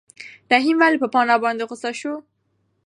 رحیم ولې په پاڼه باندې غوسه شو؟